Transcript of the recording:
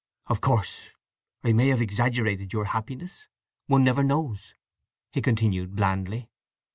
"Of course I may have exaggerated your happiness—one never knows," he continued blandly.